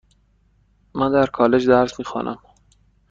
من در کالج درس میخوانم.